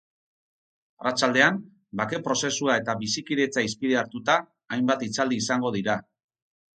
Arratsaldean, bake prozesua eta bizikidetza hizpide hartuta, hainbat hitzaldi izango dira.